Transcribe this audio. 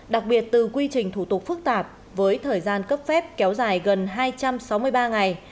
đặc biệt từ quy trình thủ tục phức tạp với thời gian cấp phép kéo dài gần hai trăm sáu mươi ba ngày